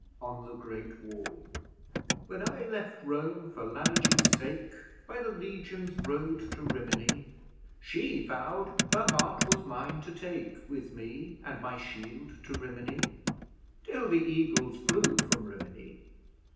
ON THE GREAT WALL 'When I left Rome for Lalage's sake By the Legions' Road to Rimini, She vowed her heart was mine to take With me and my shield to Rimini (Till the Eagles flew from Rimini!)